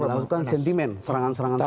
melakukan sentimen serangan serangan